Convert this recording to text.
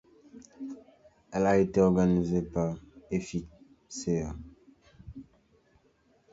Elle a été organisée par Éficea.